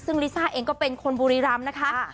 ซึ่งลิซ่าเองก็เป็นคนบุรีรำนะคะ